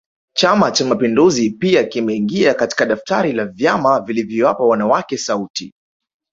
Chama Cha mapinduzi pia kimeingia katika daftari la vyama vilivyowapa wanawake sauti